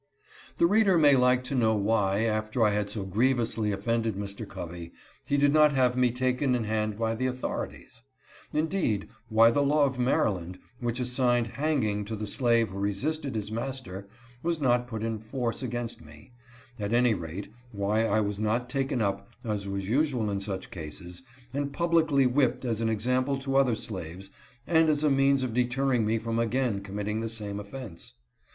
The reader may like to know why, after I had so griev ously offended Mr. Covey, he did not have me taken in hand by the authorities ; indeed, why the law of Mary land, which assigned hanging to the slave who resisted his master, was not put in force against me, at any rate why I was not taken up, as was usual in such cases, and publicly whipped as an example to other slaves, and as a means of deterring me from again committing the same offence.